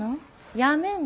やめんの？